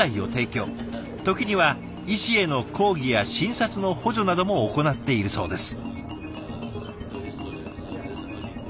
時には医師への講義や診察の補助なども行っているそうです。